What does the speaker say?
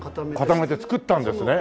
固めて作ったんですね。